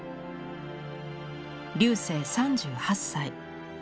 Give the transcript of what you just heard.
劉生３８歳。